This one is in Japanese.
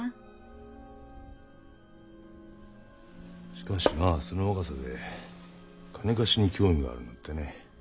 しかしまあその若さで金貸しに興味があるなんてね。